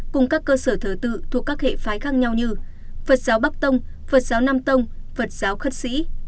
cùng các cơ sở thờ tự thuộc các hệ phái khác nhau như phật giáo bắc tông phật giáo nam tông phật giáo khất sĩ